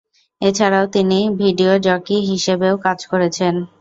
এছাড়াও, তিনি video jockey হিসেবেও কাজ করেছেন।